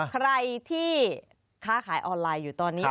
ใครที่ค้าขายออนไลน์อยู่ตอนนี้